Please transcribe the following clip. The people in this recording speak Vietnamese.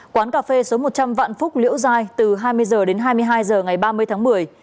quán cà phê số một trăm linh vạn phúc liễu giai từ hai mươi h đến hai mươi hai h ngày ba mươi tháng một mươi